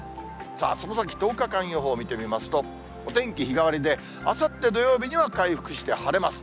さあ、その先、１０日間予報を見てみますと、お天気日替わりで、あさって土曜日には回復して晴れます。